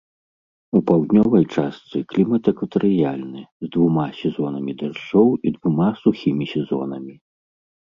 У паўднёвай частцы клімат экватарыяльны, з двума сезонамі дажджоў і двума сухімі сезонамі.